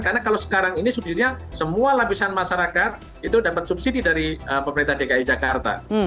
karena kalau sekarang ini subsidi nya semua lapisan masyarakat itu dapat subsidi dari pemerintah dki jakarta